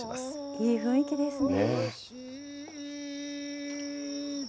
いい雰囲気ですね。